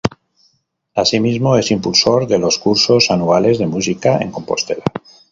Asimismo es impulsor de los cursos anuales de Música en Compostela.